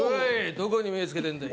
どこに目つけてんだい